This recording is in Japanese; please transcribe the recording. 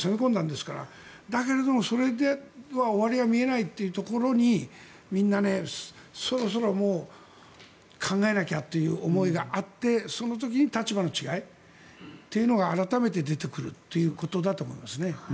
ですから、それでは終わりが見えないというところにみんなそろそろ考えなきゃという思いがあってその時に立場の違いっていうのが改めて出てくるということだと思いますね。